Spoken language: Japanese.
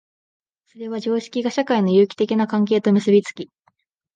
それは常識が社会の有機的な関係と結び付き、